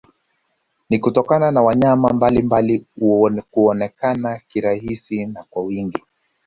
Ni kutokana na wanyama mbalimbali kuonekana kirahisi na kwa wingi